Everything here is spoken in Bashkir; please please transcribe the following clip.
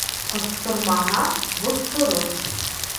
Ҡоҫтормаһа боҫторор.